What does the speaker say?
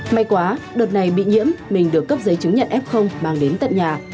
may quá đợt này bị nhiễm mình được cấp giấy chứng nhận f mang đến tận nhà